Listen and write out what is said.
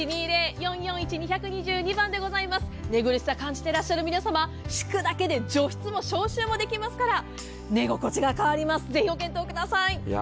寝苦しさを感じていらっしゃる皆様、敷くだけで除湿も消臭もできますから寝心地が変わります、ぜひご検討ください。